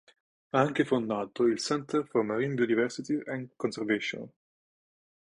Ha anche fondato il Center for Marine Biodiversity and Conservation.